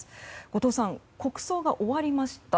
後藤さん、国葬が終わりました。